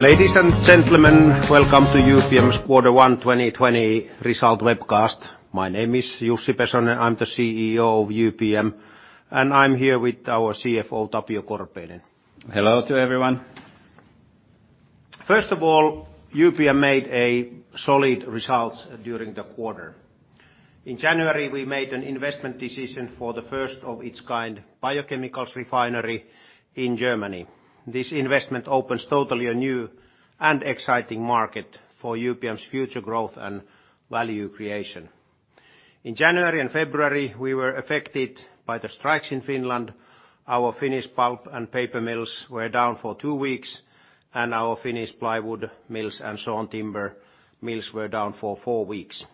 Ladies and gentlemen, welcome to UPM's Quarter 1 2020 result webcast. My name is Jussi Pesonen, I'm the CEO of UPM, and I'm here with our CFO, Tapio Korpeinen. Hello to everyone. First of all, UPM made solid results during the quarter. In January, we made an investment decision for the first of its kind, biochemicals refinery in Germany. This investment opens totally a new and exciting market for UPM's future growth and value creation. In January and February, we were affected by the strikes in Finland. Our Finnish pulp and paper mills were down for two weeks, and our Finnish plywood mills and sawn timber mills were down for four weeks.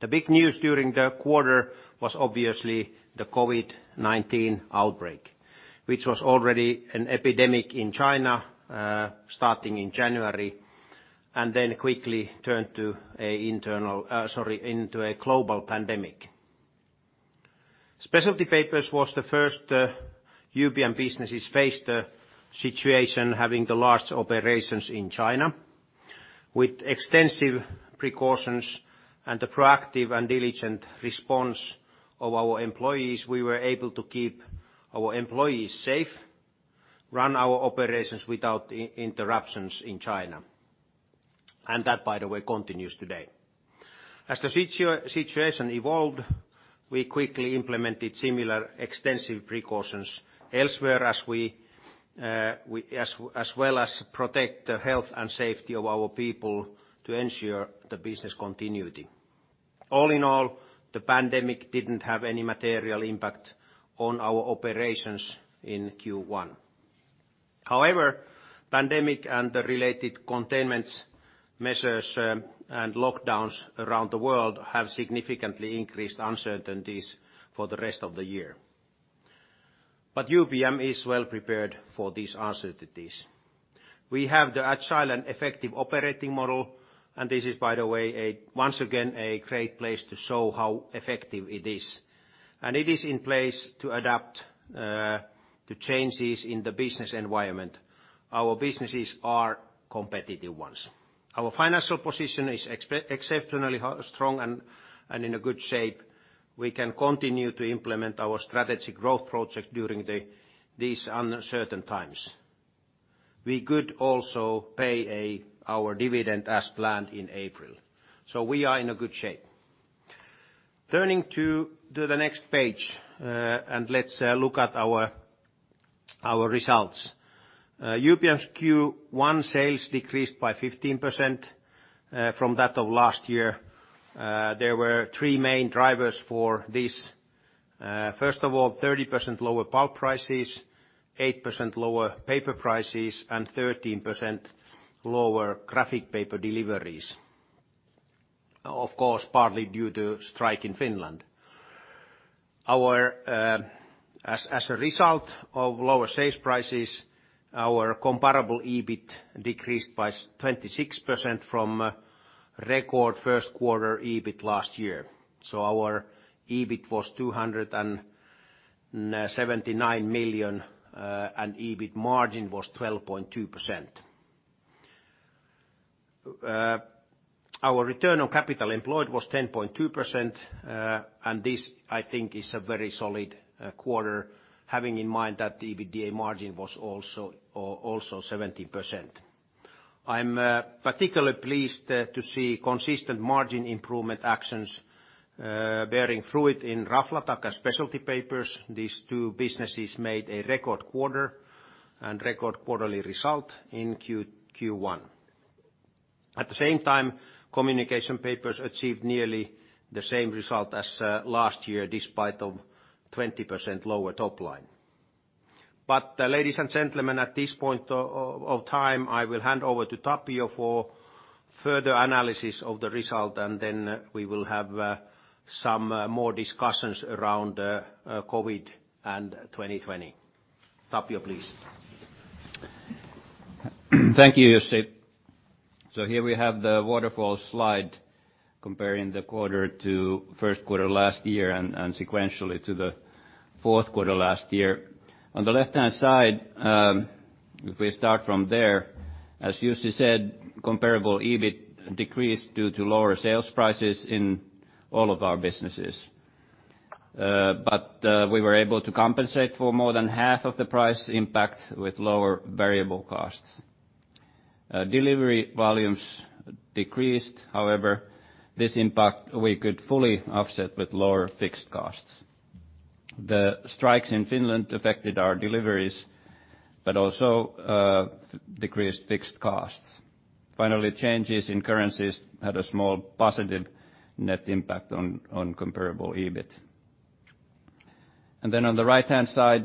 The big news during the quarter was obviously the COVID-19 outbreak, which was already an epidemic in China, starting in January, and then quickly turned into a global pandemic. UPM Specialty Papers was the first UPM businesses faced the situation, having the large operations in China. With extensive precautions and the proactive and diligent response of our employees, we were able to keep our employees safe, run our operations without interruptions in China. That, by the way, continues today. As the situation evolved, we quickly implemented similar extensive precautions elsewhere, as well as protect the health and safety of our people to ensure the business continuity. All in all, the pandemic didn't have any material impact on our operations in Q1. Pandemic and the related containments measures and lockdowns around the world have significantly increased uncertainties for the rest of the year. UPM is well-prepared for these uncertainties. We have the agile and effective operating model, this is, by the way, once again, a great place to show how effective it is. It is in place to adapt to changes in the business environment. Our businesses are competitive ones. Our financial position is exceptionally strong and in a good shape. We can continue to implement our strategy growth project during these uncertain times. We could also pay our dividend as planned in April. We are in a good shape. Turning to the next page, let's look at our results. UPM's Q1 sales decreased by 15% from that of last year. There were three main drivers for this. First of all, 30% lower pulp prices, 8% lower paper prices, and 13% lower graphic paper deliveries. Of course, partly due to strike in Finland. As a result of lower sales prices, our comparable EBIT decreased by 26% from a record first quarter EBIT last year. Our EBIT was 279 million, and EBIT margin was 12.2%. Our return on capital employed was 10.2%. This, I think, is a very solid quarter, having in mind that the EBITDA margin was also 70%. I'm particularly pleased to see consistent margin improvement actions bearing fruit in Raflatac and Specialty Papers. These two businesses made a record quarter and record quarterly result in Q1. At the same time, Communication Papers achieved nearly the same result as last year, despite the 20% lower top line. Ladies and gentlemen, at this point of time, I will hand over to Tapio for further analysis of the result, and then we will have some more discussions around COVID-19 and 2020. Tapio, please. Thank you, Jussi. Here we have the waterfall slide comparing the quarter to first quarter last year and sequentially to the fourth quarter last year. On the left-hand side, if we start from there, as Jussi said, comparable EBIT decreased due to lower sales prices in all of our businesses. We were able to compensate for more than half of the price impact with lower variable costs. Delivery volumes decreased. However, this impact we could fully offset with lower fixed costs. The strikes in Finland affected our deliveries, but also decreased fixed costs. Finally, changes in currencies had a small positive net impact on comparable EBIT. On the right-hand side,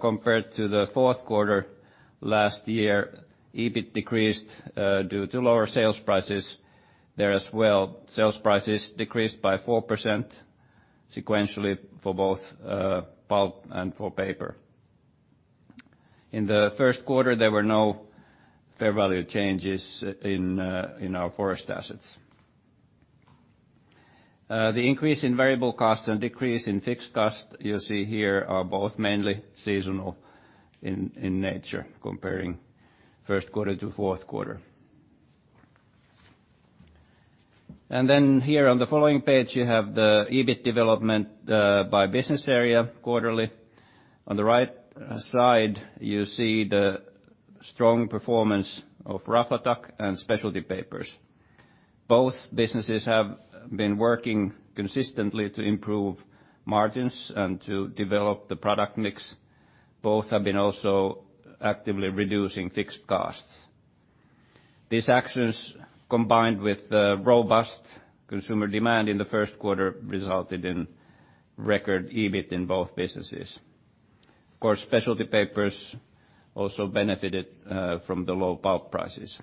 compared to the fourth quarter last year, EBIT decreased due to lower sales prices there as well. Sales prices decreased by 4% sequentially for both pulp and for paper. In the first quarter, there were no fair value changes in our forest assets. The increase in variable costs and decrease in fixed costs you see here are both mainly seasonal in nature, comparing first quarter to fourth quarter. Here on the following page, you have the EBIT development by business area quarterly. On the right side, you see the strong performance of Raflatac and Specialty Papers. Both businesses have been working consistently to improve margins and to develop the product mix. Both have been also actively reducing fixed costs. These actions, combined with robust consumer demand in the first quarter, resulted in record EBIT in both businesses. Of course, Specialty Papers also benefited from the low pulp prices.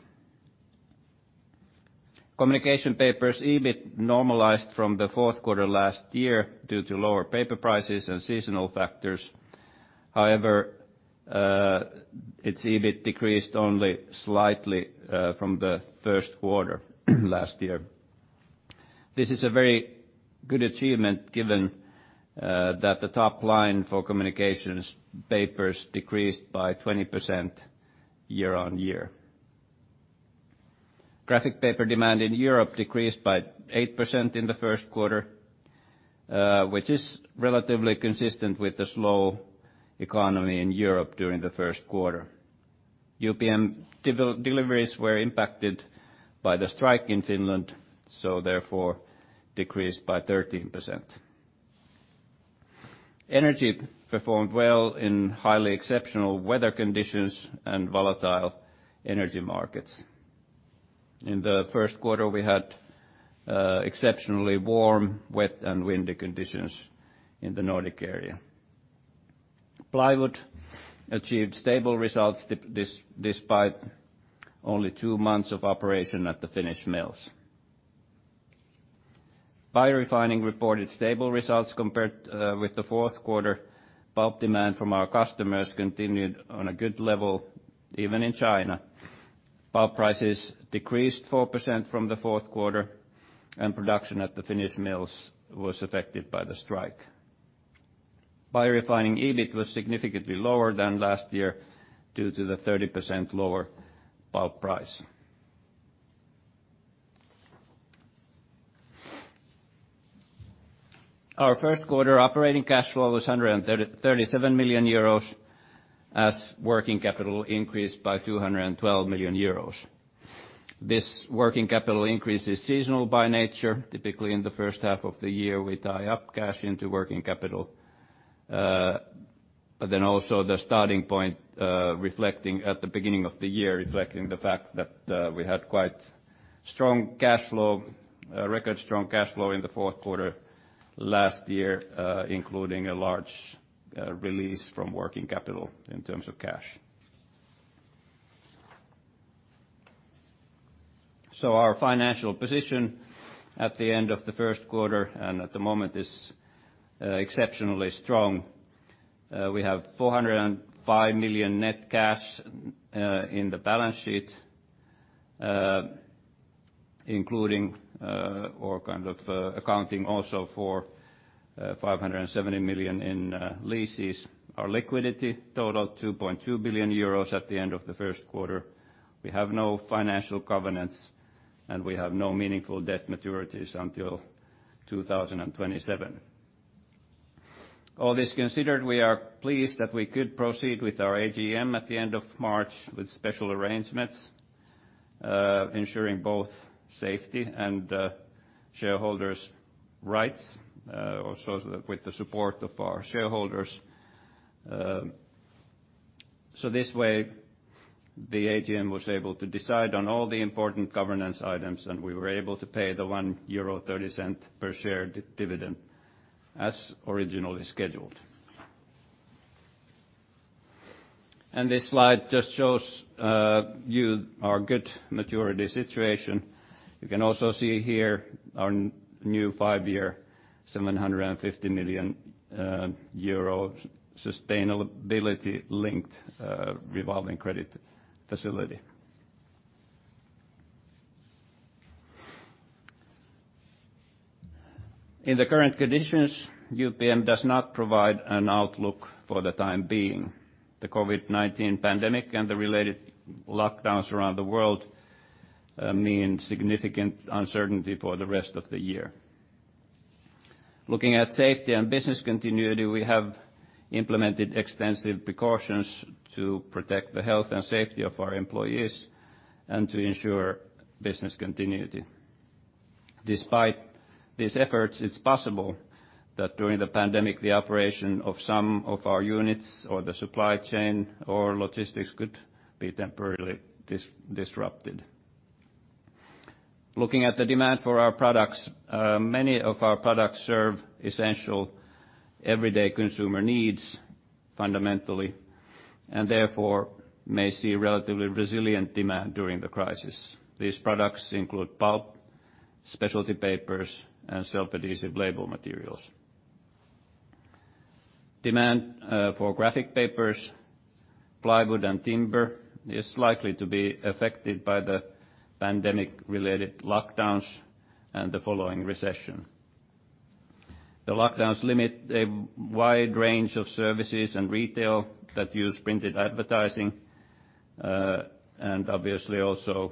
Communication Papers' EBIT normalized from the fourth quarter last year due to lower paper prices and seasonal factors. Its EBIT decreased only slightly from the first quarter last year. This is a very good achievement given that the top line for UPM Communication Papers decreased by 20% year-on-year. Graphic paper demand in Europe decreased by 8% in the first quarter, which is relatively consistent with the slow economy in Europe during the first quarter. UPM deliveries were impacted by the strike in Finland, so therefore decreased by 13%. UPM Energy performed well in highly exceptional weather conditions and volatile energy markets. In the first quarter, we had exceptionally warm, wet, and windy conditions in the Nordic area. UPM Plywood achieved stable results despite only two months of operation at the Finnish mills. UPM Biorefining reported stable results compared with the fourth quarter. Pulp demand from our customers continued on a good level, even in China. Pulp prices decreased 4% from the fourth quarter. Production at the Finnish mills was affected by the strike. Biorefining EBIT was significantly lower than last year due to the 30% lower pulp price. Our first quarter operating cash flow was 37 million euros as working capital increased by 212 million euros. This working capital increase is seasonal by nature. Typically, in the first half of the year, we tie up cash into working capital. Also the starting point reflecting at the beginning of the year, reflecting the fact that we had quite record strong cash flow in the fourth quarter last year, including a large release from working capital in terms of cash. Our financial position at the end of the first quarter and at the moment is exceptionally strong. We have 405 million net cash in the balance sheet, including, or kind of accounting also for 570 million in leases. Our liquidity totaled 2.2 billion euros at the end of the first quarter. We have no financial covenants, and we have no meaningful debt maturities until 2027. All this considered, we are pleased that we could proceed with our AGM at the end of March with special arrangements, ensuring both safety and shareholders' rights, also with the support of our shareholders. This way, the AGM was able to decide on all the important governance items, and we were able to pay the 1.30 euro per share dividend as originally scheduled. This slide just shows you our good maturity situation. You can also see here our new five-year, EUR 750 million sustainability-linked revolving credit facility. In the current conditions, UPM does not provide an outlook for the time being. The COVID-19 pandemic and the related lockdowns around the world mean significant uncertainty for the rest of the year. Looking at safety and business continuity, we have implemented extensive precautions to protect the health and safety of our employees and to ensure business continuity. Despite these efforts, it's possible that during the pandemic, the operation of some of our units or the supply chain or logistics could be temporarily disrupted. Looking at the demand for our products, many of our products serve essential everyday consumer needs fundamentally and therefore may see relatively resilient demand during the crisis. These products include pulp, Specialty Papers, and self-adhesive label materials. Demand for Graphic Papers, Plywood, and timber is likely to be affected by the pandemic-related lockdowns and the following recession. The lockdowns limit a wide range of services and retail that use printed advertising, and obviously also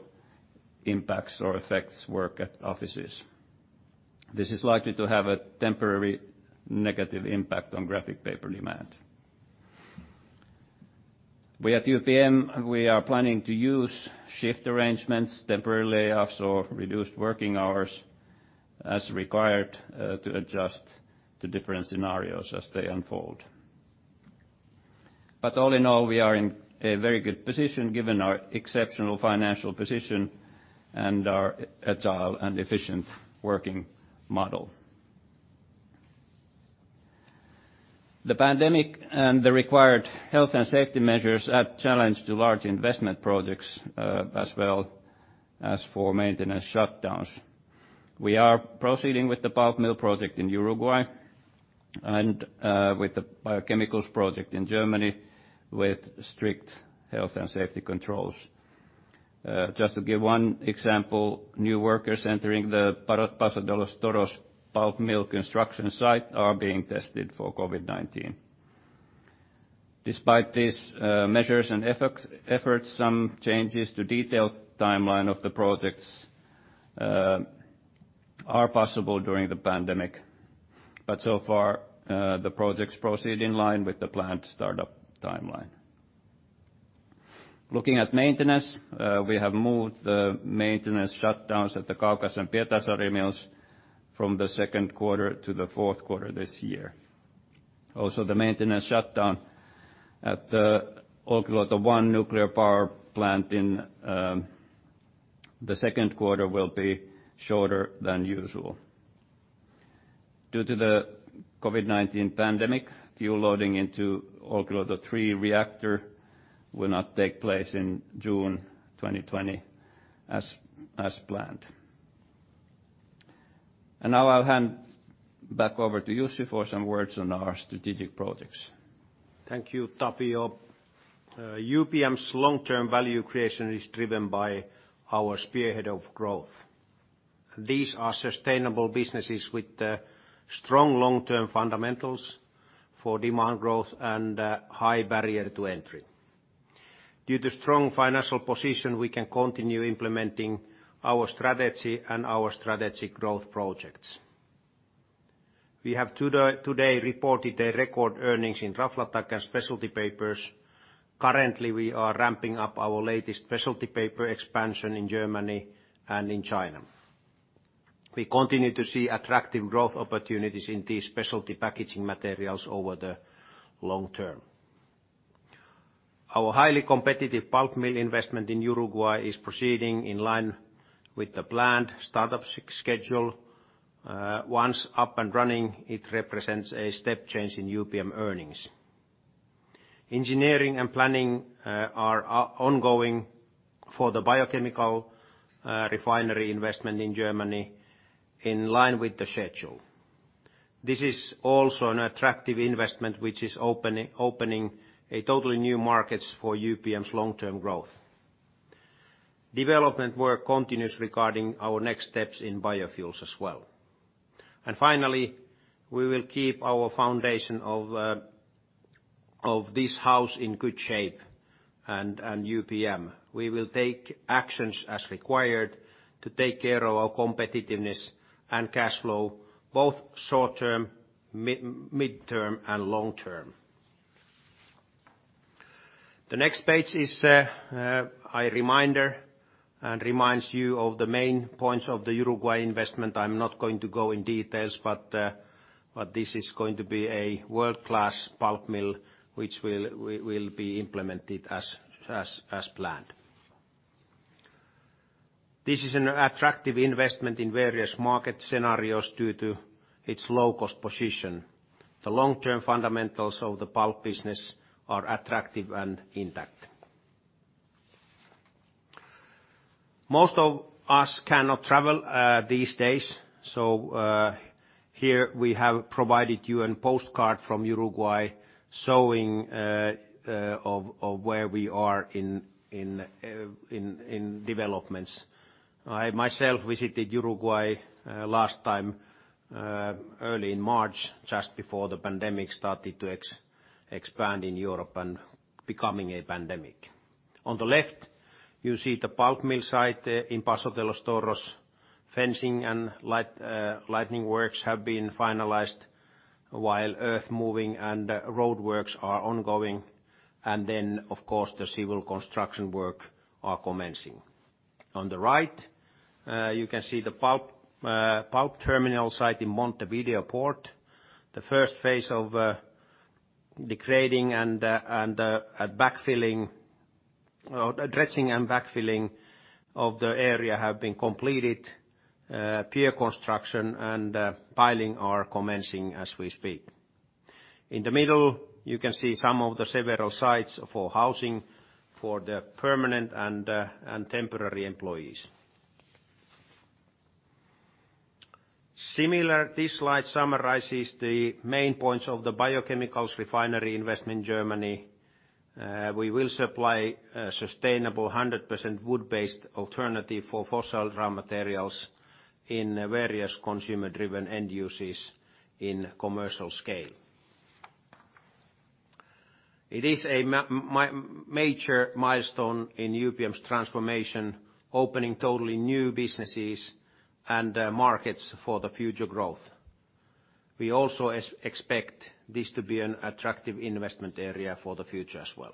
impacts or affects work at offices. This is likely to have a temporary negative impact on Graphic Paper demand. We at UPM, we are planning to use shift arrangements, temporary layoffs, or reduced working hours as required to adjust to different scenarios as they unfold. All in all, we are in a very good position given our exceptional financial position and our agile and efficient working model. The pandemic and the required health and safety measures add challenge to large investment projects, as well as for maintenance shutdowns. We are proceeding with the pulp mill project in Uruguay and with the biochemicals project in Germany with strict health and safety controls. Just to give one example, new workers entering the Paso de los Toros pulp mill construction site are being tested for COVID-19. Despite these measures and efforts, some changes to detailed timeline of the projects are possible during the pandemic. So far, the projects proceed in line with the planned startup timeline. Looking at maintenance, we have moved the maintenance shutdowns at the Kaukas and Pietarsaari mills from the second quarter to the fourth quarter this year. Also, the maintenance shutdown at the Olkiluoto 1 nuclear power plant in the second quarter will be shorter than usual. Due to the COVID-19 pandemic, fuel loading into Olkiluoto 3 reactor will not take place in June 2020 as planned. Now I'll hand back over to Jussi for some words on our strategic projects. Thank you, Tapio. UPM's long-term value creation is driven by our spearhead of growth. These are sustainable businesses with strong long-term fundamentals for demand growth and a high barrier to entry. Due to strong financial position, we can continue implementing our strategy and our strategic growth projects. We have today reported a record earnings in Raflatac and Specialty Papers. Currently, we are ramping up our latest specialty paper expansion in Germany and in China. We continue to see attractive growth opportunities in these specialty packaging materials over the long term. Our highly competitive pulp mill investment in Uruguay is proceeding in line with the planned startup schedule. Once up and running, it represents a step change in UPM earnings. Engineering and planning are ongoing for the biochemical refinery investment in Germany in line with the schedule. This is also an attractive investment, which is opening totally new markets for UPM's long-term growth. Development work continues regarding our next steps in biofuels as well. Finally, we will keep our foundation of this house in good shape, and UPM. We will take actions as required to take care of our competitiveness and cash flow, both short-term, mid-term, and long-term. The next page is a reminder, and reminds you of the main points of the Uruguay investment. I'm not going to go in details, but this is going to be a world-class pulp mill, which will be implemented as planned. This is an attractive investment in various market scenarios due to its low-cost position. The long-term fundamentals of the pulp business are attractive and intact. Most of us cannot travel these days, so here we have provided you a postcard from Uruguay showing where we are in developments. I myself visited Uruguay last time early in March, just before the pandemic started to expand in Europe and becoming a pandemic. On the left, you see the pulp mill site in Paso de los Toros. Fencing and lightning works have been finalized, while earthmoving and roadworks are ongoing. Then, of course, the civil construction work are commencing. On the right, you can see the pulp terminal site in Montevideo Port. The first phase of the grading and backfilling, or dredging and backfilling of the area have been completed. Pier construction and piling are commencing as we speak. In the middle, you can see some of the several sites for housing for the permanent and temporary employees. Similar, this slide summarizes the main points of the biochemicals refinery investment in Germany. We will supply a sustainable 100% wood-based alternative for fossil raw materials in various consumer-driven end uses in commercial scale. It is a major milestone in UPM's transformation, opening totally new businesses and markets for the future growth. We also expect this to be an attractive investment area for the future as well.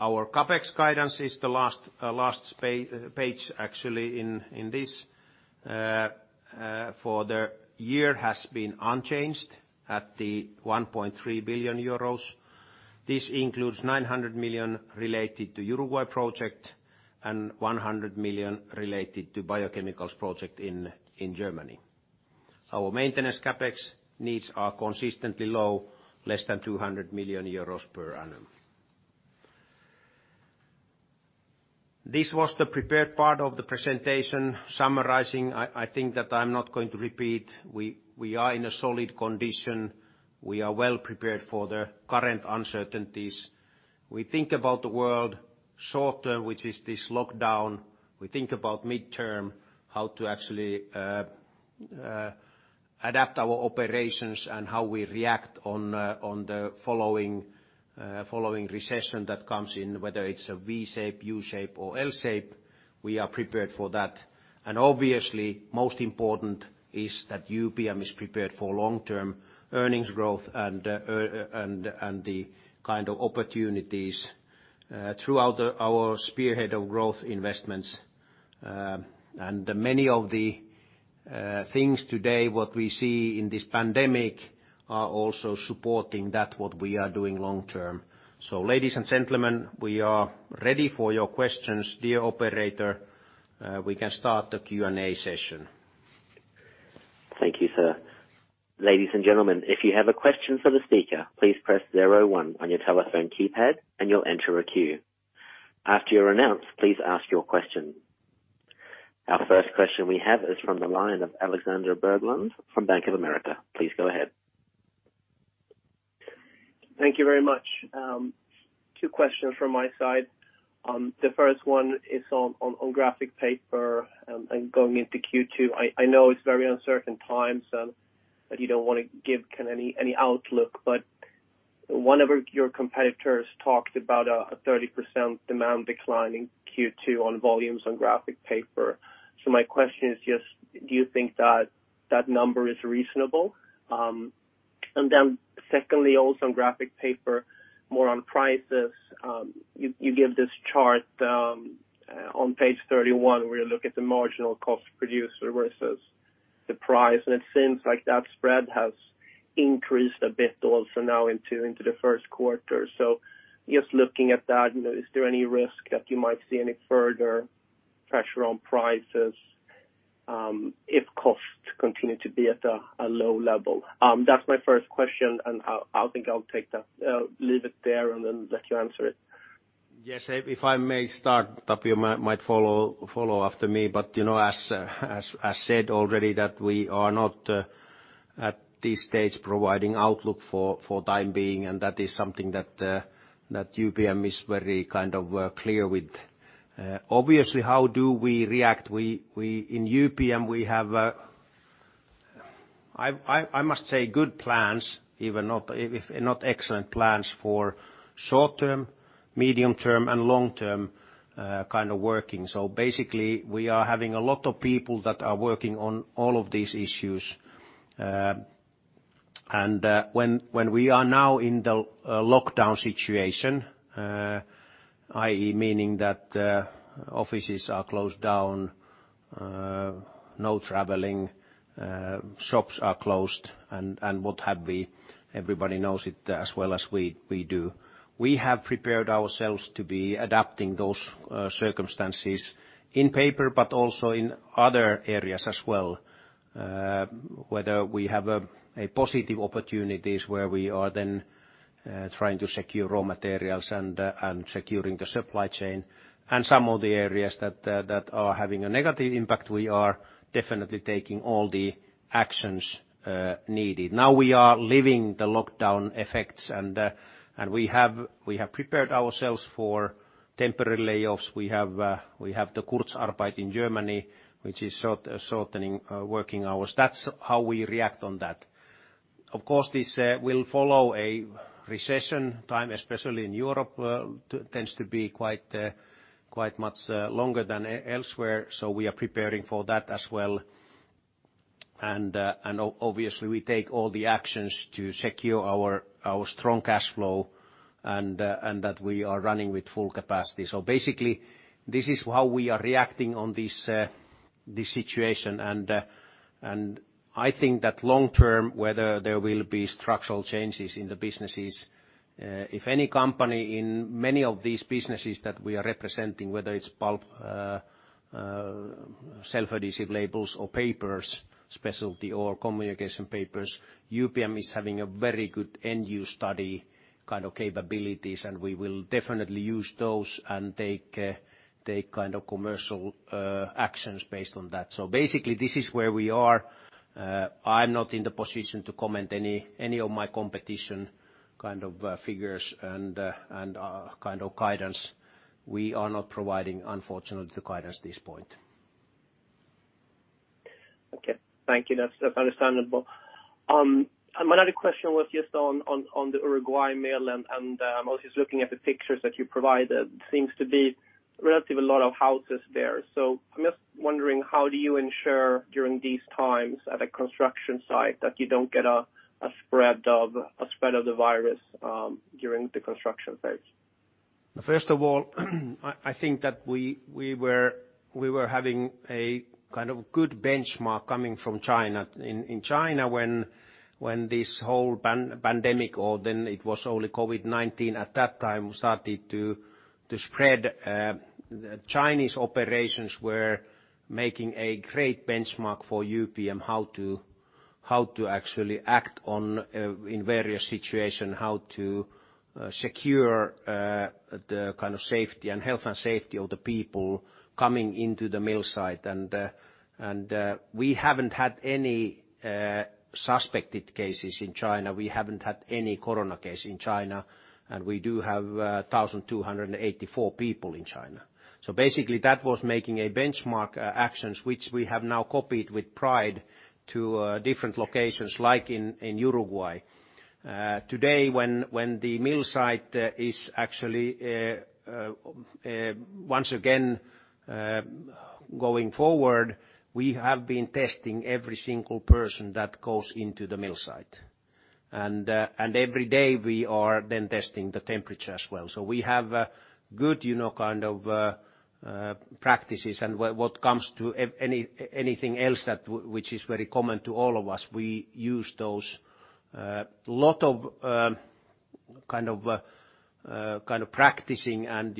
Our CapEx guidance is the last page actually in this. For the year has been unchanged at the €1.3 billion. This includes 900 million related to Uruguay project and 100 million related to biochemicals project in Germany. Our maintenance CapEx needs are consistently low, less than €200 million per annum. This was the prepared part of the presentation summarizing, I think that I'm not going to repeat. We are in a solid condition. We are well prepared for the current uncertainties. We think about the world short-term, which is this lockdown. We think about mid-term, how to actually adapt our operations and how we react on the following recession that comes in, whether it's a V shape, U shape, or L shape, we are prepared for that. Obviously, most important is that UPM is prepared for long-term earnings growth and the kind of opportunities throughout our spearhead of growth investments. Many of the things today, what we see in this pandemic are also supporting that, what we are doing long-term. Ladies and gentlemen, we are ready for your questions. Dear operator, we can start the Q&A session. Thank you, sir. Ladies and gentlemen, if you have a question for the speaker, please press zero one on your telephone keypad and you'll enter a queue. After you're announced, please ask your question. Our first question we have is from the line of Alexander Berglund from Bank of America. Please go ahead. Thank you very much. Two questions from my side. The first one is on graphic paper and going into Q2. I know it's very uncertain times and that you don't want to give any outlook, one of your competitors talked about a 30% demand decline in Q2 on volumes on graphic paper. My question is just, do you think that that number is reasonable? Secondly, also on graphic paper, more on prices. You give this chart on Page 31 where you look at the marginal cost to produce versus the price. It seems like that spread has increased a bit also now into the first quarter. Just looking at that, is there any risk that you might see any further pressure on prices, if costs continue to be at a low level? That's my first question, and I think I'll leave it there and then let you answer it. Yes. If I may start, Tapio might follow after me. As I said already, that we are not at this stage providing outlook for time being, and that is something that UPM is very kind of clear with. Obviously, how do we react? In UPM, we have, I must say, good plans, if not excellent plans for short-term, medium term, and long-term kind of working. Basically, we are having a lot of people that are working on all of these issues. When we are now in the lockdown situation, i.e., meaning that offices are closed down, no traveling, shops are closed, and what have we, everybody knows it as well as we do. We have prepared ourselves to be adapting those circumstances in paper, but also in other areas as well. Whether we have a positive opportunities where we are then trying to secure raw materials and securing the supply chain and some of the areas that are having a negative impact, we are definitely taking all the actions needed. Now we are living the lockdown effects. We have prepared ourselves for temporary layoffs. We have the Kurzarbeit in Germany, which is shortening working hours. That's how we react on that. Of course, this will follow a recession time, especially in Europe, tends to be quite much longer than elsewhere. We are preparing for that as well. Obviously we take all the actions to secure our strong cash flow and that we are running with full capacity. Basically this is how we are reacting on this situation. I think that long-term, whether there will be structural changes in the businesses, if any company in many of these businesses that we are representing, whether it's pulp, self-adhesive labels or papers, Specialty Papers or Communication Papers, UPM is having a very good end use study kind of capabilities, and we will definitely use those and take kind of commercial actions based on that. Basically this is where we are. I'm not in the position to comment any of my competition kind of figures and kind of guidance. We are not providing, unfortunately, the guidance at this point. Okay. Thank you. That's understandable. My other question was just on the Uruguay mill, and I'm also just looking at the pictures that you provided. There seems to be relatively a lot of houses there. I'm just wondering how do you ensure during these times at a construction site that you don't get a spread of the virus during the construction phase? First of all, I think that we were having a good benchmark coming from China. In China, when this whole pandemic, or then it was only COVID-19 at that time, started to spread, the Chinese operations were making a great benchmark for UPM, how to actually act in various situation, how to secure the health and safety of the people coming into the mill site. We haven't had any suspected cases in China. We haven't had any corona case in China, and we do have 1,284 people in China. Basically, that was making a benchmark actions which we have now copied with pride to different locations like in Uruguay. Today, when the mill site is actually once again going forward, we have been testing every single person that goes into the mill site. Every day we are then testing the temperature as well. We have good practices and what comes to anything else which is very common to all of us, we use those. Lot of practicing and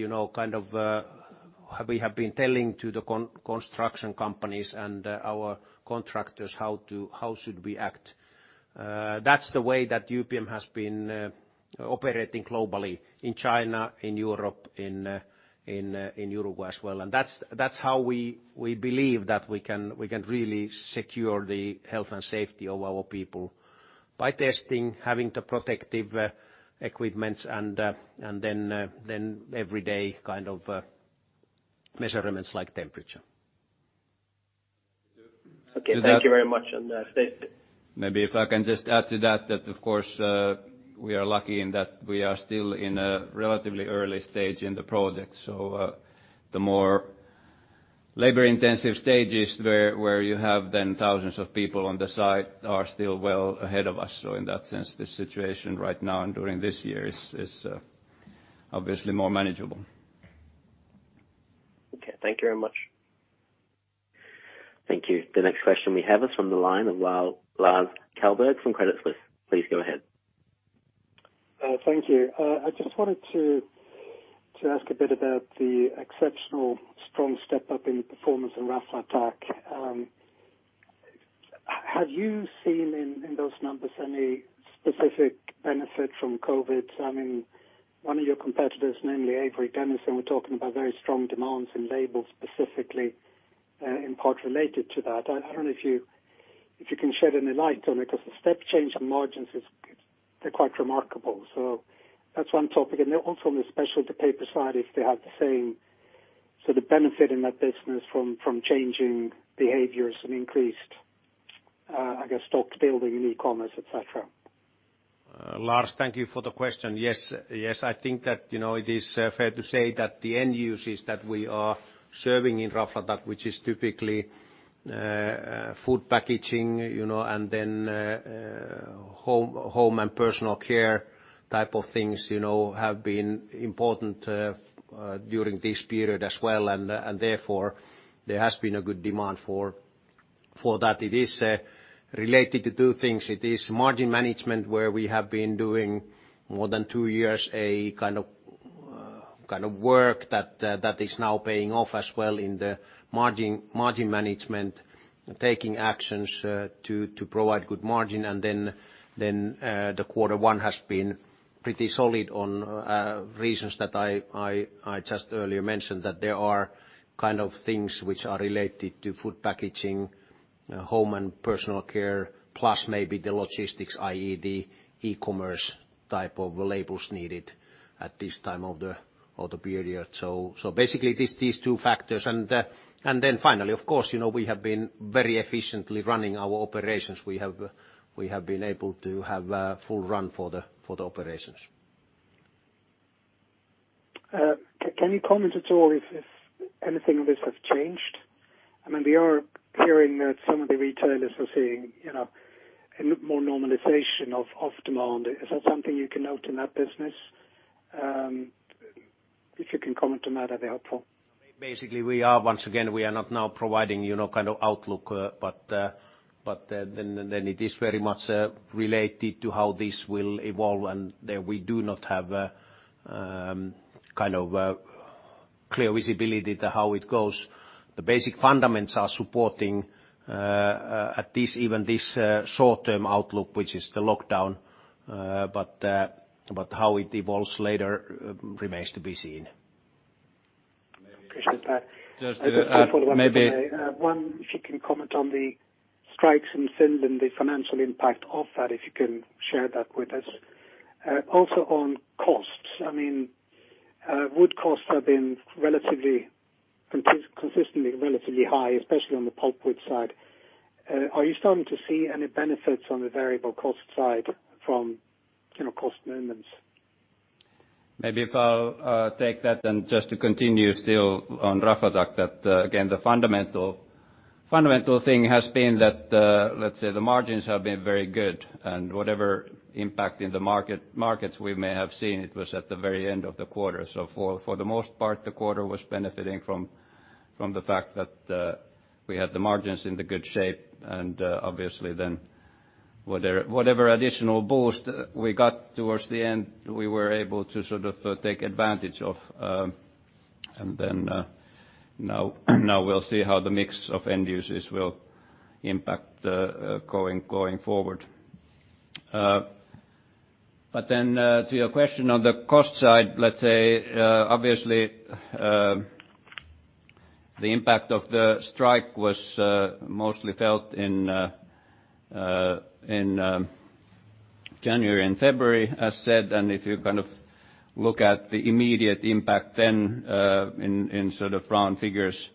we have been telling to the construction companies and our contractors how should we act. That's the way that UPM has been operating globally, in China, in Europe, in Uruguay as well. That's how we believe that we can really secure the health and safety of our people. By testing, having the protective equipments, and then every day measurements like temperature. Okay. Thank you very much. Maybe if I can just add to that of course, we are lucky in that we are still in a relatively early stage in the project. The more labor-intensive stages where you have then thousands of people on the site are still well ahead of us. In that sense, this situation right now and during this year is obviously more manageable. Okay. Thank you very much. Thank you. The next question we have is from the line of Lars Kjellberg from Credit Suisse. Please go ahead. Thank you. I just wanted to ask a bit about the exceptional strong step up in performance in Raflatac. Have you seen in those numbers any specific benefit from COVID? One of your competitors, namely Avery Dennison, were talking about very strong demands in labels specifically, in part related to that. I don't know if you can shed any light on it, because the step change in margins is quite remarkable. That's one topic. Also on the specialty paper side, if they have the same sort of benefit in that business from changing behaviors and increased stock building in e-commerce, et cetera. Lars, thank you for the question. Yes, I think that it is fair to say that the end users that we are serving in Raflatac, which is typically food packaging, and then home and personal care type of things, have been important during this period as well. Therefore, there has been a good demand for that. It is related to two things. It is margin management, where we have been doing more than two years a kind of work that is now paying off as well in the margin management, taking actions to provide good margin. Then the quarter one has been pretty solid on reasons that I just earlier mentioned, that there are things which are related to food packaging, home and personal care, plus maybe the logistics, i.e., the e-commerce type of labels needed at this time of the period. Basically, these two factors. Finally, of course, we have been very efficiently running our operations. We have been able to have a full run for the operations. Can you comment at all if anything of this has changed? We are hearing that some of the retailers are seeing a more normalization of demand. Is that something you can note in that business? If you can comment on that'd be helpful. Basically, once again, we are not now providing outlook, but then it is very much related to how this will evolve, and there we do not have clear visibility to how it goes. The basic fundamentals are supporting at least even this short-term outlook, which is the lockdown. How it evolves later remains to be seen. Maybe- Just a follow-up. Maybe- One, if you can comment on the strikes in Finland, the financial impact of that, if you can share that with us? Also on costs. Wood costs have been consistently relatively high, especially on the pulpwood side. Are you starting to see any benefits on the variable cost side from cost movements? Maybe if I'll take that then just to continue still on Raflatac that again the fundamental thing has been that the margins have been very good and whatever impact in the markets we may have seen, it was at the very end of the quarter. For the most part, the quarter was benefiting from the fact that we had the margins in the good shape and obviously then whatever additional boost we got towards the end, we were able to sort of take advantage of. Now we'll see how the mix of end users will impact going forward. To your question on the cost side, let's say obviously, the impact of the strike was mostly felt in January and February as said, and if you look at the immediate impact then in round figures,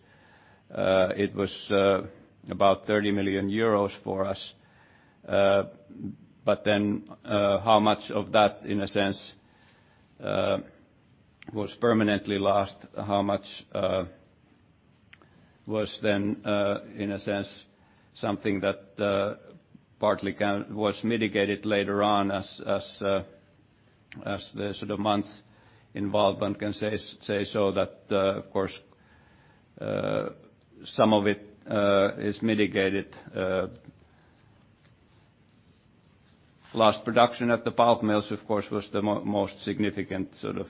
it was about €30 million for us. How much of that, in a sense, was permanently lost? How much was then something that partly was mitigated later on as the months involved one can say so that of course some of it is mitigated. Lost production at the pulp mills of course, was the most significant sort of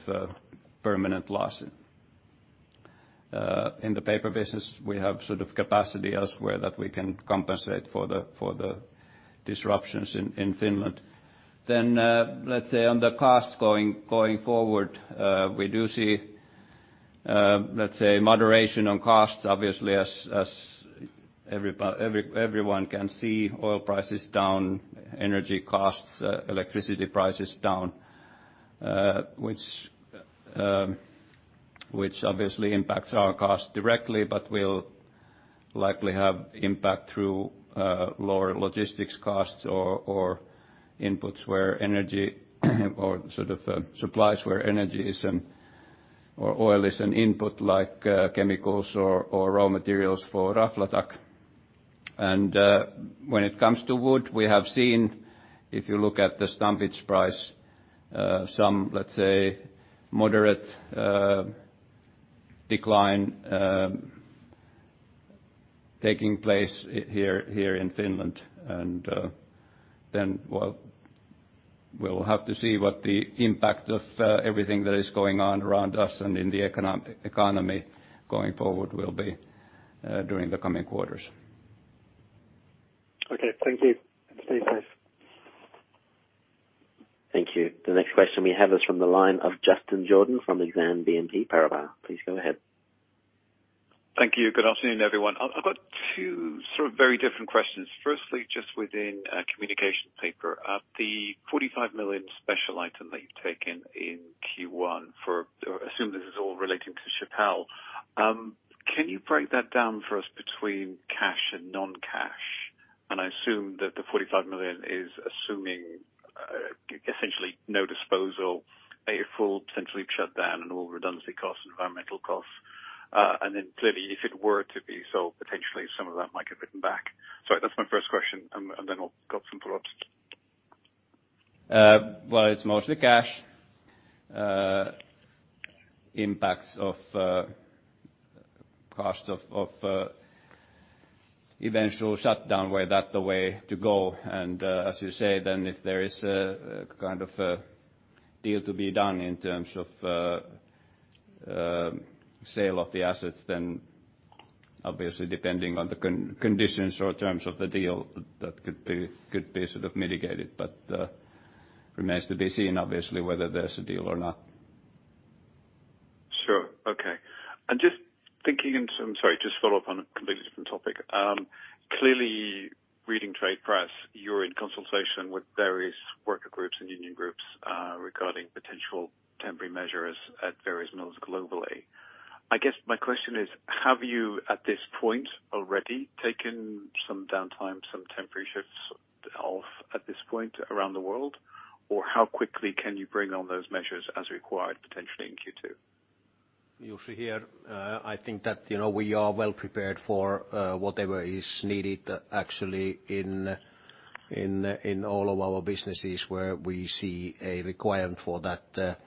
permanent loss. In the paper business, we have capacity elsewhere that we can compensate for the disruptions in Finland. Let's say on the cost going forward, we do see moderation on costs obviously as everyone can see oil price is down, energy costs, electricity price is down, which obviously impacts our cost directly but will likely have impact through lower logistics costs or inputs where energy or supplies where energy is or oil is an input like chemicals or raw materials for Raflatac. When it comes to wood, we have seen if you look at the stumpage price some moderate decline taking place here in Finland and then we'll have to see what the impact of everything that is going on around us and in the economy going forward will be during the coming quarters. Okay. Thank you. Stay safe. Thank you. The next question we have is from the line of Justin Jordan from Exane BNP Paribas. Please go ahead. Thank you. Good afternoon, everyone. I've got two sort of very different questions. Firstly, just within Communication Papers. The 45 million special item that you've taken in Q1 for, assume this is all relating to Chapelle. Can you break that down for us between cash and non-cash? I assume that the 45 million is assuming essentially no disposal, a full potentially shutdown and all redundancy costs, environmental costs. Clearly if it were to be so potentially some of that might get written back. Sorry, that's my first question, and then I'll got some follow-ups. Well, it's mostly cash impacts of cost of eventual shutdown were that the way to go. As you say then if there is a deal to be done in terms of sale of the assets then obviously depending on the conditions or terms of the deal that could be mitigated but remains to be seen obviously whether there's a deal or not. Sure. Okay. Just thinking, sorry, just follow up on a completely different topic. Clearly reading trade press, you're in consultation with various worker groups and union groups regarding potential temporary measures at various mills globally. I guess my question is, have you at this point already taken some downtime, some temporary shifts off at this point around the world? How quickly can you bring on those measures as required potentially in Q2? Jussi here. I think that we are well prepared for whatever is needed actually in all of our businesses where we see a requirement for that.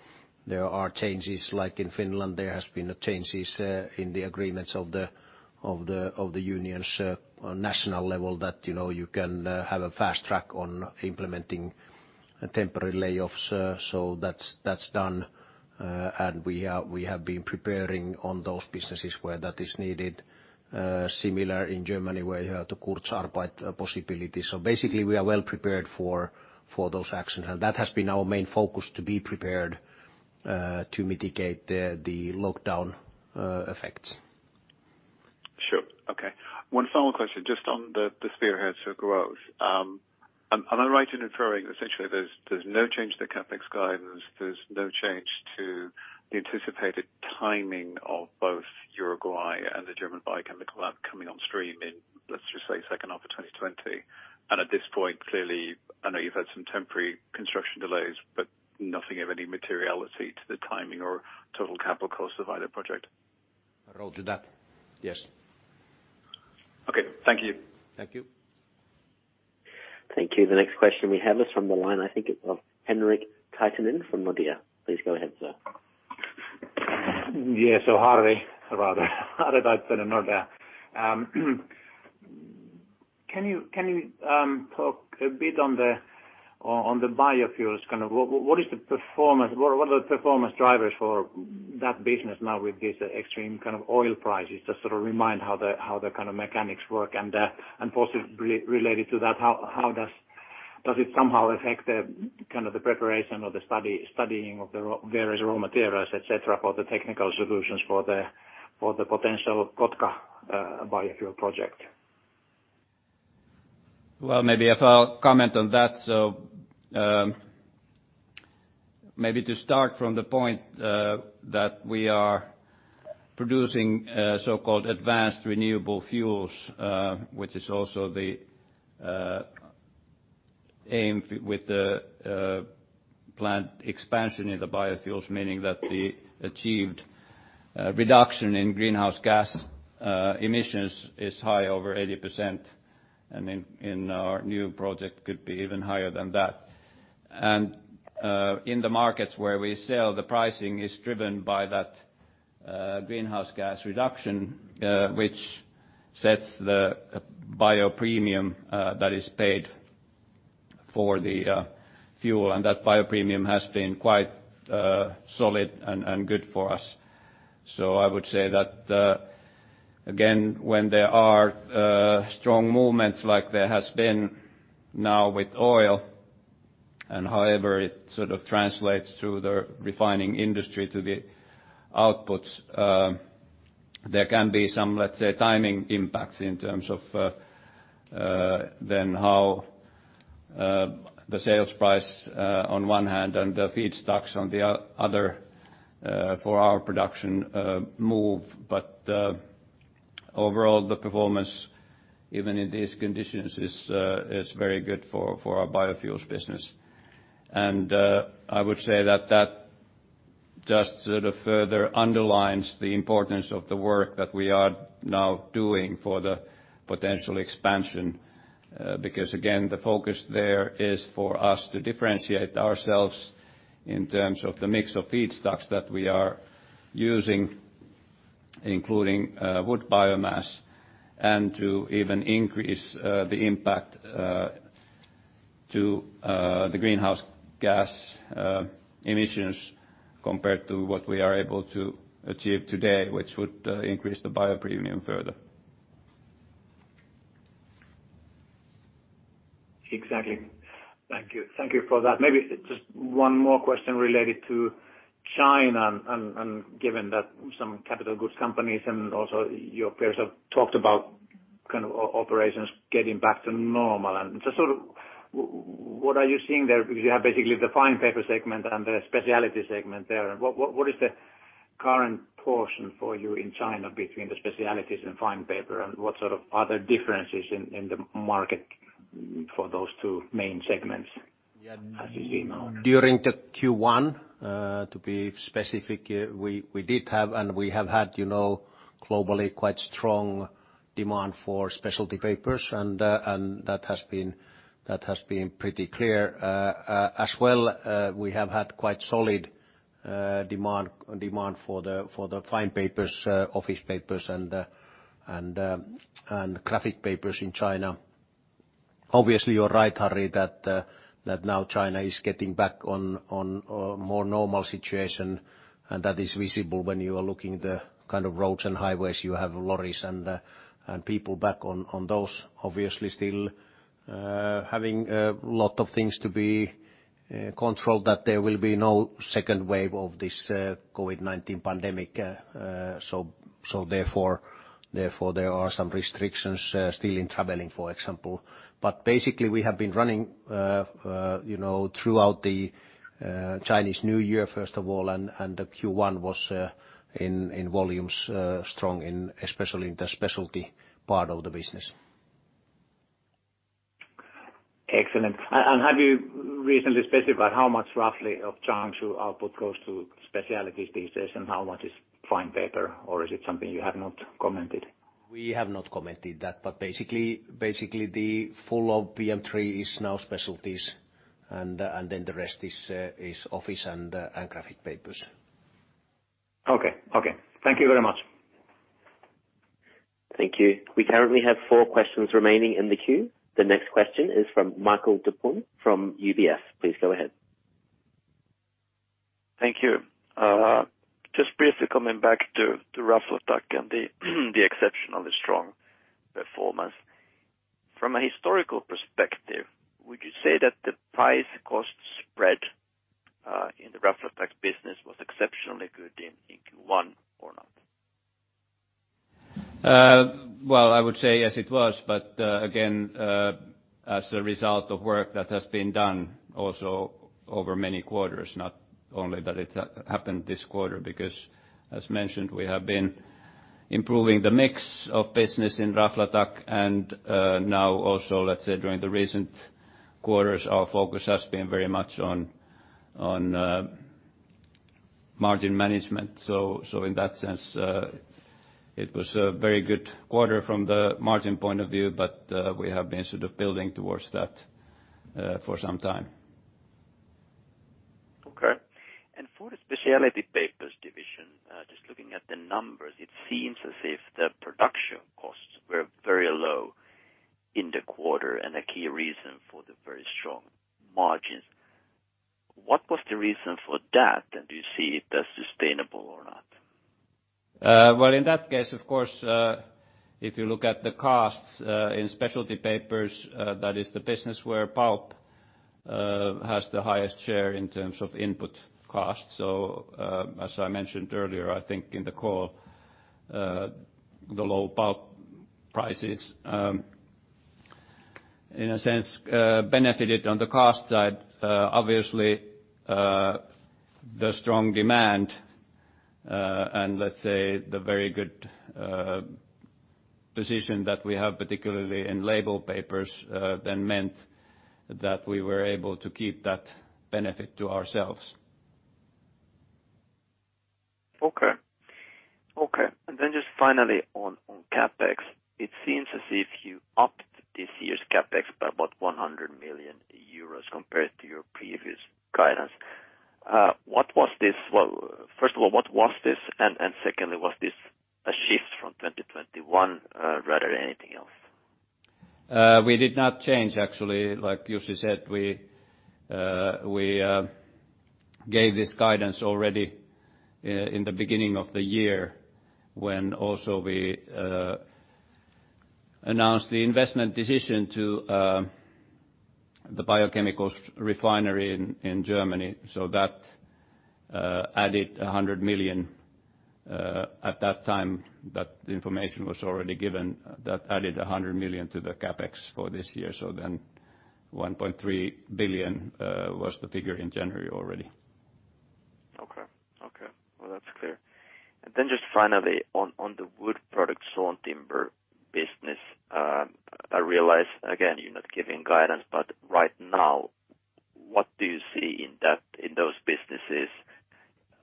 There are changes like in Finland, there has been changes in the agreements of the unions on national level that you can have a fast track on implementing temporary layoffs. That's done, and we have been preparing on those businesses where that is needed. Similar in Germany where you have the Kurzarbeit possibility. Basically, we are well prepared for those actions, and that has been our main focus to be prepared to mitigate the lockdown effects. One final question just on the spearhead to growth. Am I right in inferring that essentially there's no change to the CapEx guidance, there's no change to the anticipated timing of both Uruguay and the German biochemical lab coming on stream in, let's just say second half of 2020. At this point, clearly, I know you've had some temporary construction delays, but nothing of any materiality to the timing or total capital cost of either project. Understood that. Yes. Okay. Thank you. Thank you. Thank you. The next question we have is from the line, I think it's of Henrik Taittonen from Nordea. Please go ahead, sir. Yeah. Harri, rather that Henrik from Nordea. Can you talk a bit on the biofuels, what are the performance drivers for that business now with these extreme oil prices? Just sort of remind how the kind of mechanics work and possibly related to that, how does it somehow affect the preparation of the studying of the various raw materials, et cetera, for the potential Kotka biofuel project? Well, maybe if I'll comment on that. Maybe to start from the point that we are producing so-called advanced renewable fuels, which is also the aim with the plant expansion in the biofuels meaning that the achieved reduction in greenhouse gas emissions is high over 80%, and in our new project could be even higher than that. In the markets where we sell, the pricing is driven by that greenhouse gas reduction, which sets the bio premium that is paid for the fuel. That bio premium has been quite solid and good for us. I would say that, again, when there are strong movements like there has been now with oil and however it sort of translates through the refining industry to the outputs, there can be some, let's say, timing impacts in terms of then how the sales price on one hand and the feedstocks on the other for our production move. Overall, the performance even in these conditions is very good for our biofuels business. I would say that just sort of further underlines the importance of the work that we are now doing for the potential expansion. Again, the focus there is for us to differentiate ourselves in terms of the mix of feedstocks that we are using, including wood biomass, and to even increase the impact to the greenhouse gas emissions compared to what we are able to achieve today, which would increase the bio premium further. Exactly. Thank you. Thank you for that. Maybe just one more question related to China, given that some capital goods companies and also your peers have talked about kind of operations getting back to normal. Just sort of what are you seeing there? Because you have basically the fine paper segment and the specialty segment there. What is the current portion for you in China between the specialties and fine paper, and what sort of are the differences in the market for those two main segments as you see now? During the Q1, to be specific, we did have, and we have had globally quite strong demand for specialty papers, and that has been pretty clear. As well, we have had quite solid demand for the fine papers, office papers and graphic papers in China. Obviously, you're right, Harri, that now China is getting back on a more normal situation, and that is visible when you are looking the kind of roads and highways you have lorries and people back on those. Obviously still having a lot of things to be controlled, that there will be no second wave of this COVID-19 pandemic. Therefore, there are some restrictions still in traveling, for example. Basically we have been running throughout the Chinese New Year, first of all, and the Q1 was in volumes strong, especially in the specialty part of the business. Excellent. Have you recently specified how much roughly of Changshu output goes to specialties these days and how much is fine paper, or is it something you have not commented? We have not commented that, but basically the full of PM3 is now specialties and then the rest is office and graphic papers. Okay. Thank you very much. Thank you. We currently have four questions remaining in the queue. The next question is from Mikael Doepel from UBS. Please go ahead. Thank you. Just briefly coming back to Raflatac and the exceptionally strong performance. From a historical perspective, would you say that the price-cost spread in the Raflatac business was exceptionally good in Q1 or not? Well, I would say yes, it was, but again, as a result of work that has been done also over many quarters, not only that it happened this quarter, because as mentioned, we have been improving the mix of business in Raflatac and now also, let's say, during the recent quarters, our focus has been very much on margin management. In that sense, it was a very good quarter from the margin point of view, but we have been sort of building towards that for some time. Okay. For the specialty papers division, just looking at the numbers, it seems as if the production costs were very low in the quarter and a key reason for the very strong margins. What was the reason for that, and do you see it as sustainable or not? In that case, of course, if you look at the costs in Specialty Papers, that is the business where pulp has the highest share in terms of input costs. As I mentioned earlier, I think in the call, the low pulp prices in a sense benefited on the cost side. Obviously, the strong demand and let's say the very good position that we have, particularly in label papers, meant that we were able to keep that benefit to ourselves. Okay. Just finally on CapEx, it seems as if you upped this year's CapEx by about 100 million euros compared to your previous guidance. First of all, what was this? Secondly, was this a shift from 2021 rather than anything else? We did not change actually. Like Jussi said, we gave this guidance already in the beginning of the year when also we announced the investment decision to the biochemicals refinery in Germany. That added 100 million at that time, that information was already given, that added 100 million to the CapEx for this year. 1.3 billion was the figure in January already. Okay. Well, that's clear. Just finally on the wood product sawn timber business, I realize again, you're not giving guidance, but right now, what do you see in those businesses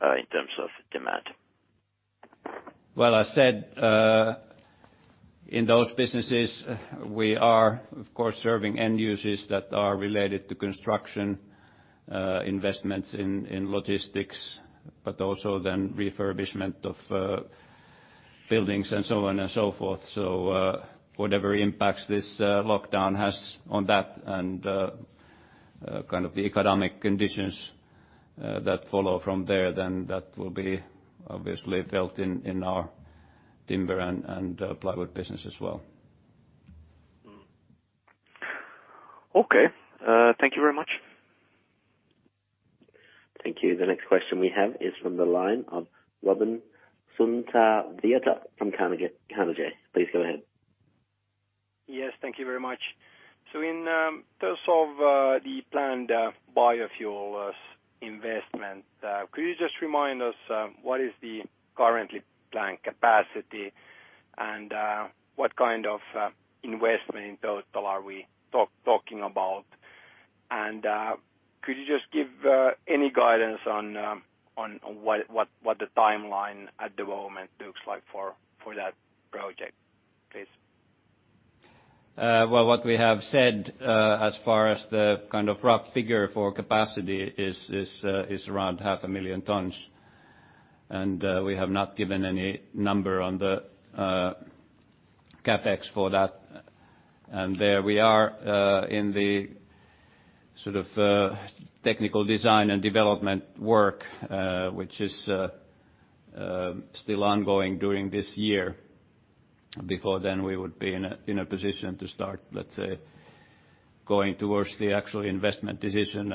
in terms of demand? I said, in those businesses, we are of course serving end users that are related to construction investments in logistics, but also then refurbishment of buildings and so on and so forth. Whatever impacts this lockdown has on that and kind of the economic conditions that follow from there, then that will be obviously felt in our timber and plywood business as well. Okay. Thank you very much. Thank you. The next question we have is from the line of Robin Santavirta from Carnegie. Please go ahead. Yes, thank you very much. In terms of the planned biofuels investment, could you just remind us what is the currently planned capacity and what kind of investment in total are we talking about? Could you just give any guidance on what the timeline at the moment looks like for that project, please? Well, what we have said as far as the kind of rough figure for capacity is around half a million tons. We have not given any number on the CapEx for that. There we are in the sort of technical design and development work, which is still ongoing during this year. Before then we would be in a position to start, let's say, going towards the actual investment decision.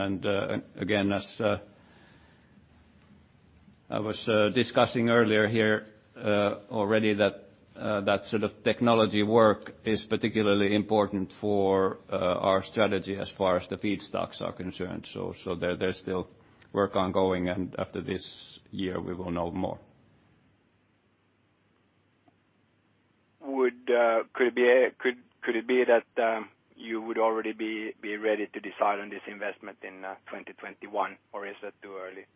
Again, as I was discussing earlier here already that sort of technology work is particularly important for our strategy as far as the feedstocks are concerned. There's still work ongoing, and after this year, we will know more. Could it be that you would already be ready to decide on this investment in 2021, or is that too early?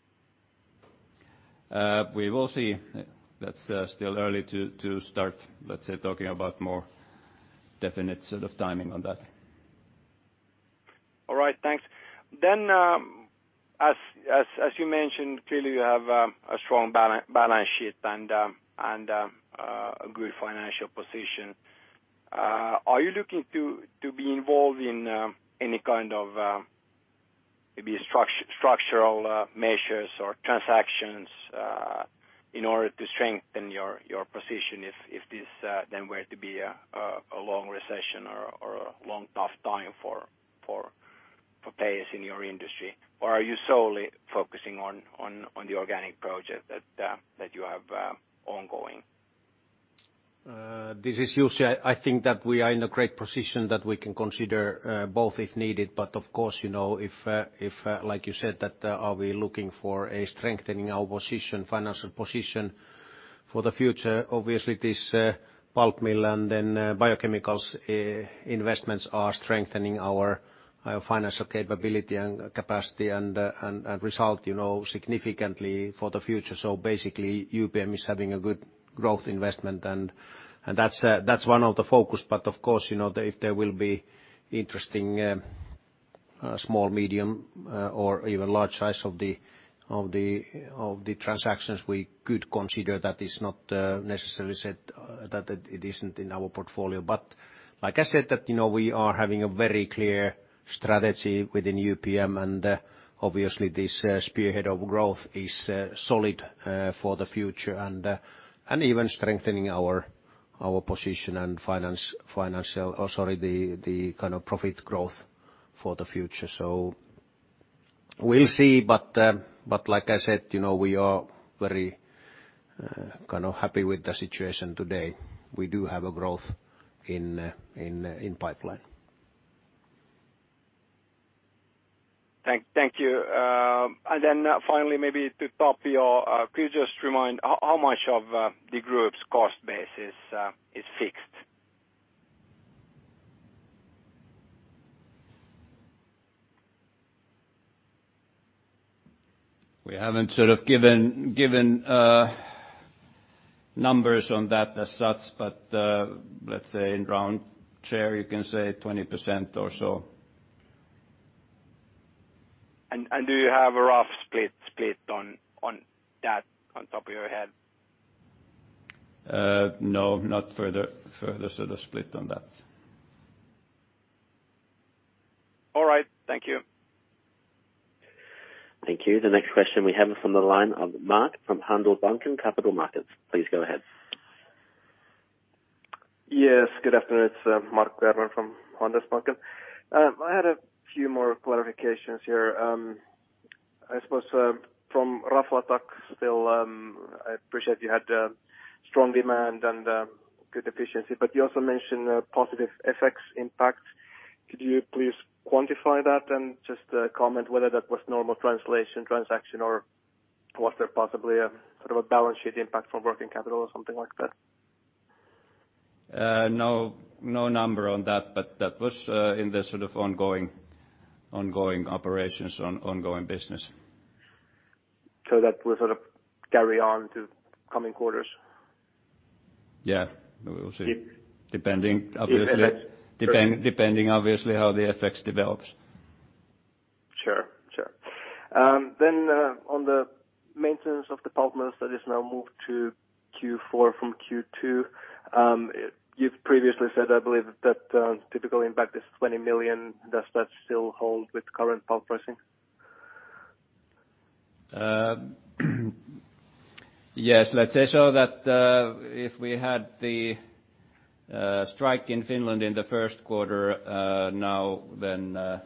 We will see. That's still early to start, let's say, talking about more definite sort of timing on that. All right, thanks. As you mentioned, clearly you have a strong balance sheet and a good financial position. Are you looking to be involved in any kind of maybe structural measures or transactions in order to strengthen your position if this then were to be a long recession or a long tough time for paper in your industry? Are you solely focusing on the organic project that you have ongoing? This is Jussi. I think that we are in a great position that we can consider both if needed. Of course, if, like you said, that are we looking for a strengthening our position, financial position for the future? Obviously, this pulp mill and then biochemicals investments are strengthening our financial capability and capacity, and result significantly for the future. Basically, UPM is having a good growth investment and that's one of the focus. Of course, if there will be interesting small, medium or even large size of the transactions, we could consider that it's not necessarily said that it isn't in our portfolio. Like I said that we are having a very clear strategy within UPM and obviously this spearhead of growth is solid for the future and even strengthening our position and finance, financial or, sorry, the kind of profit growth for the future. We'll see. Like I said we are very kind of happy with the situation today. We do have a growth in pipeline. Thank you. Finally, maybe to Tapio. Could you just remind how much of the group's cost base is fixed? We haven't sort of given numbers on that as such. Let's say in round share, you can say 20% or so. Do you have a rough split on that, on top of your head? No, not further sort of split on that. All right. Thank you. Thank you. The next question we have is from the line of Mark from Handelsbanken Capital Markets. Please go ahead. Yes, good afternoon. It's Mark Werner from Handelsbanken. I had a few more clarifications here. I suppose from Raflatac still, I appreciate you had strong demand and good efficiency, but you also mentioned positive effects impact. Could you please quantify that and just comment whether that was normal translation, transaction, or was there possibly a sort of a balance sheet impact from working capital or something like that? No number on that, but that was in the sort of ongoing operations on ongoing business. That will sort of carry on to coming quarters? Yeah. We will see. Depending, obviously. If- Depending obviously how the effects develops. Sure. On the maintenance of the pulp mills that is now moved to Q4 from Q2. You've previously said, I believe that typical impact is 20 million. Does that still hold with current pulp pricing? Yes. Let's say so that if we had the strike in Finland in the first quarter now, then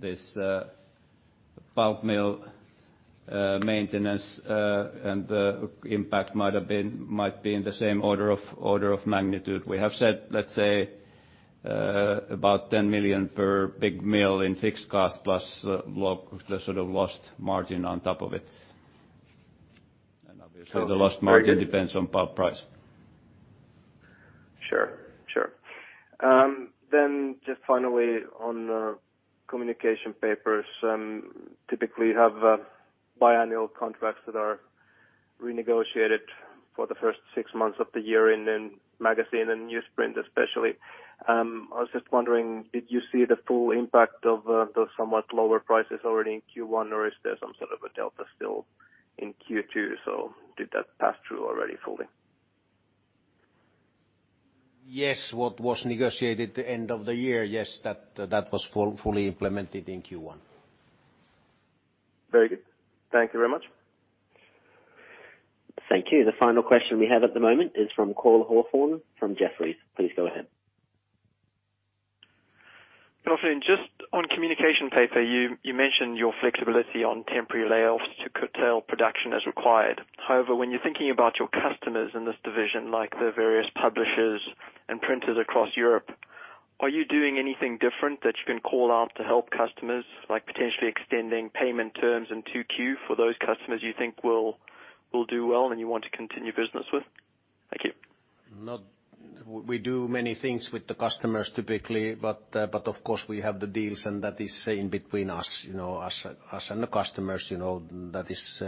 this pulp mill maintenance and the impact might be in the same order of magnitude. We have said, let's say about 10 million per big mill in fixed cost plus the sort of lost margin on top of it. Obviously the lost margin depends on pulp price. Sure. Just finally on UPM Communication Papers. Typically, you have biannual contracts that are renegotiated for the first six months of the year in magazine and newsprint especially. I was just wondering, did you see the full impact of those somewhat lower prices already in Q1 or is there some sort of a delta still in Q2? Did that pass through already fully? Yes. What was negotiated at the end of the year, yes, that was fully implemented in Q1. Very good. Thank you very much. Thank you. The final question we have at the moment is from Cole Hathorn from Jefferies. Please go ahead. Cole Hathorn, just on communication paper, you mentioned your flexibility on temporary layoffs to curtail production as required. When you're thinking about your customers in this division, like the various publishers and printers across Europe, are you doing anything different that you can call out to help customers, like potentially extending payment terms into Q for those customers you think will do well and you want to continue business with? Thank you. We do many things with the customers typically. Of course, we have the deals and that is in between us. Us and the customers that is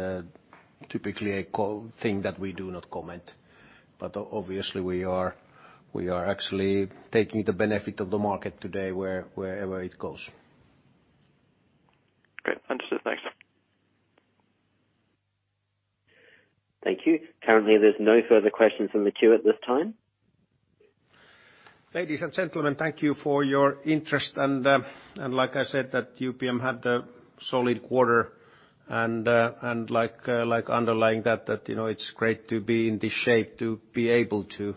typically a core thing that we do not comment. Obviously we are actually taking the benefit of the market today wherever it goes. Great. Understood. Thanks. Thank you. Currently, there's no further questions in the queue at this time. Ladies and gentlemen, thank you for your interest and like I said that UPM had a solid quarter and like underlying that it's great to be in this shape to be able to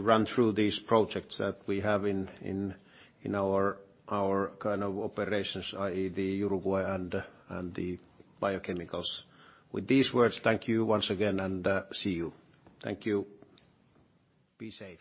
run through these projects that we have in our kind of operations, i.e. the Uruguay and the biochemicals. With these words, thank you once again, and see you. Thank you. Be safe.